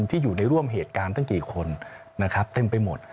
ที่อยู่ในร่วมเหตุการณ์ตั้งกี่คนนะครับเต็มไปหมด